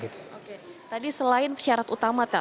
tadi selain syarat utama pak